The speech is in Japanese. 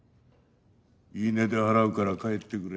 言い値で払うから帰ってくれ。